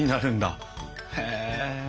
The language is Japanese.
へえ。